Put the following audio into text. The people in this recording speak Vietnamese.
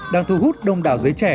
đang thu hút đông đảo giới trẻ